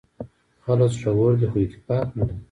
خلک زړور دي خو اتفاق نه لري.